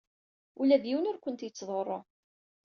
Ula d yiwen ur kent-yettḍurru.